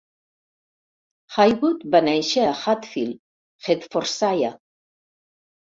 Haywood va néixer a Hatfield, Hertfordshire.